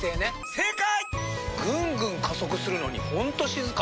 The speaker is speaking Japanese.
正解！